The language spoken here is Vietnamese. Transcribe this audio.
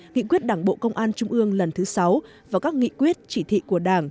nghị quyết đảng bộ công an trung ương lần thứ sáu và các nghị quyết chỉ thị của đảng